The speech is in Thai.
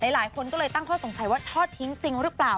หลายคนก็เลยตั้งข้อสงสัยว่าทอดทิ้งจริงหรือเปล่า